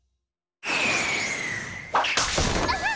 あっ！